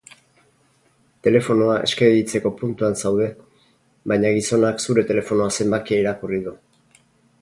Telefonoa eskegitzeko puntuan zaude, baina gizonak zure telefonoa zenbakia irakurri du.